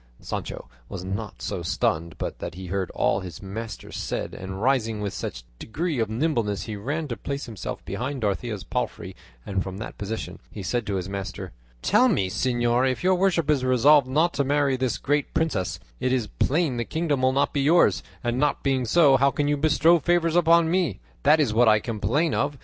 Sancho was not so stunned but that he heard all his master said, and rising with some degree of nimbleness he ran to place himself behind Dorothea's palfrey, and from that position he said to his master: "Tell me, señor; if your worship is resolved not to marry this great princess, it is plain the kingdom will not be yours; and not being so, how can you bestow favours upon me? That is what I complain of.